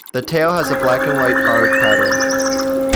The tail has a black and white barred pattern.